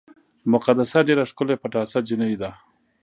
مقدسه ډېره ښکلې پټاسه جینۍ ده